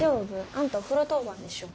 あんたお風呂当番でしょ。